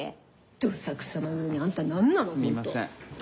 どさくさ紛れにあんた何なのほんと。